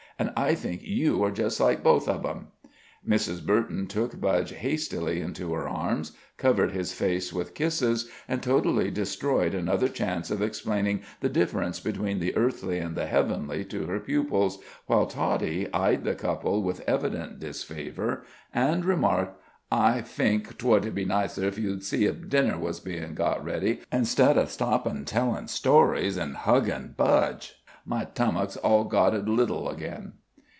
An' I think you are just like both of 'em!" Mrs. Burton took Budge hastily into her arms, covered his face with kisses, and totally destroyed another chance of explaining the difference between the earthly and the heavenly to her pupils, while Toddie eyed the couple with evident disfavor, and remarked: "I fink 'twould be nicer if you'd see if dinner was bein' got ready, instead of stoppin' tellin' stories an' huggin' Budge. My tummuk's all gotted little again."